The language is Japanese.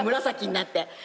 紫になって。